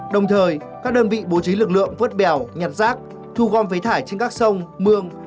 đồng thời các đơn vị bố trí lực lượng vớt bèo nhặt rác thu gom phế thải trên các sông mương